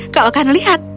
kau akan lihat